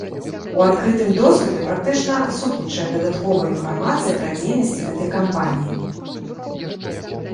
У адкрытым доступе практычна адсутнічае дадатковая інфармацыя пра дзейнасць гэтай кампаніі.